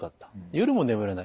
夜も眠れない。